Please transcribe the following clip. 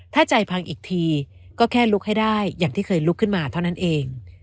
ถ้าใจพังอีกทีก็แค่ลุกให้ได้อย่างที่เคยลุกขึ้นมาเท่านั้นเอง